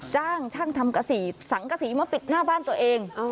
จ้างช่างทำกระสีสังกษีมาปิดหน้าบ้านตัวเอง